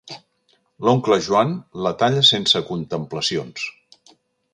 L'oncle Joan la talla sense contemplacions.